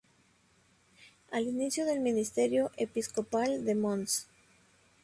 Al inicio del ministerio episcopal de Mons.